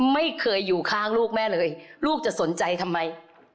ไม่เคยอยู่ข้างลูกแม่เลยลูกจะสนใจทำไม